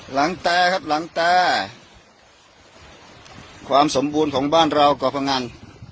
แตครับหลังแต่ความสมบูรณ์ของบ้านเราก่อพงัน